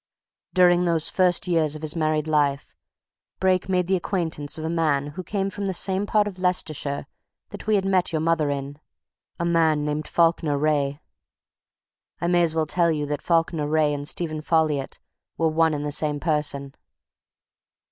During those first years of his married life Brake made the acquaintance of a man who came from the same part of Leicestershire that we had met your mother in a man named Falkiner Wraye. I may as well tell you that Falkiner Wraye and Stephen Folliot were one and the same person."